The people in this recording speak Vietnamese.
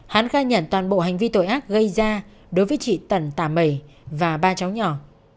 hắn khai nhận toàn bộ hành vi tội ác gây ra đối với chị tần tà mẩy và ba cháu nhỏ